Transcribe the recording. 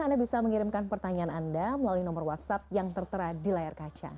anda bisa mengirimkan pertanyaan anda melalui nomor whatsapp yang tertera di layar kaca